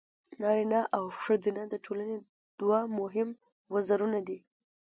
نارینه او ښځینه د ټولنې دوه مهم وزرونه دي.